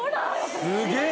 すげえ！